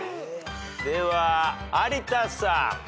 では有田さん。